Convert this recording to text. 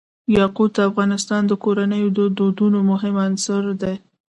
یاقوت د افغان کورنیو د دودونو مهم عنصر دی.